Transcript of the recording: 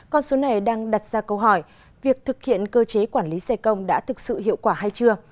con số này đang đặt ra câu hỏi việc thực hiện cơ chế quản lý xe công đã thực sự hiệu quả hay chưa